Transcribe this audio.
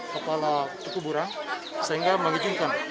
kepala kukuburang sehingga mengizinkan